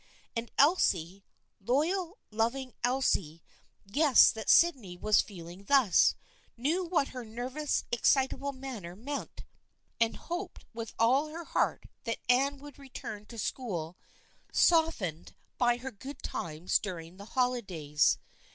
And Elsie, loyal, loving Elsie, guessed that Syd ney was feeling thus, knew what her nervous, ex citable manner meant, and hoped with all her heart that Anne would return to school softened 220 THE FRIENDSHIP OF ANNE by her good times during the holidays.